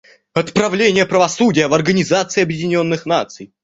Отправление правосудия в Организации Объединенных Наций.